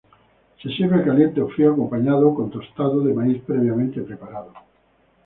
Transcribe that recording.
Se sirve caliente o frío acompañado con tostado de maíz previamente preparado.